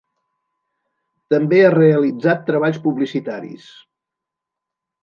També ha realitzat treballs publicitaris.